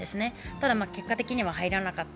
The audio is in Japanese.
ただ結果的には入らなかった。